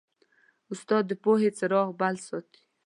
استاد د پوهې څراغ بل ساتي.